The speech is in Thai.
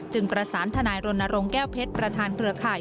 ประสานทนายรณรงค์แก้วเพชรประธานเครือข่าย